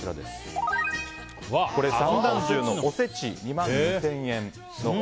三段重のおせち、２万２０００円。